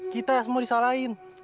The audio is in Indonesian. kita semua disalahin